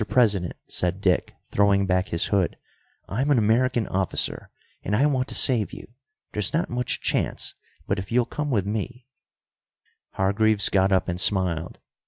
President," said Dick, throwing back his hood, "I'm an American officer, and I want to save you. There's not much chance, but, if you'll come with me " Hargreaves got up and smiled.